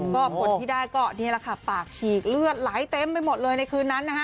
ก็ผลที่ได้ก็นี่แหละค่ะปากฉีกเลือดไหลเต็มไปหมดเลยในคืนนั้นนะคะ